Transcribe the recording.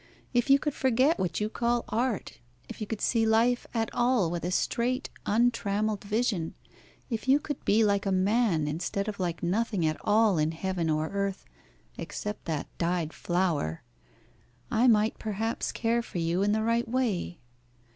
If you could forget what you call art, if you could see life at all with a straight, untrammelled vision, if you could be like a man, instead of like nothing at all in heaven or earth except that dyed flower, I might perhaps care for you in the right way.